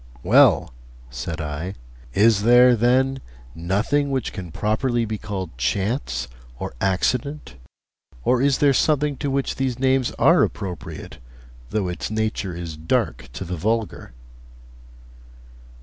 'Well,' said I, 'is there, then, nothing which can properly be called chance or accident, or is there something to which these names are appropriate, though its nature is dark to the vulgar?'